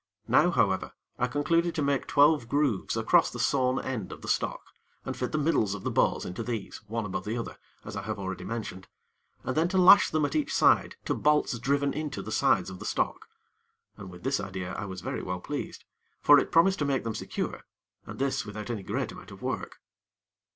Now, however, I concluded to make twelve grooves across the sawn end of the stock, and fit the middles of the bows into these, one above the other, as I have already mentioned; and then to lash them at each side to bolts driven into the sides of the stock. And with this idea I was very well pleased; for it promised to make them secure, and this without any great amount of work.